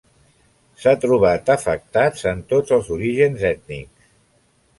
S'ha trobat afectats en tots els orígens ètnics.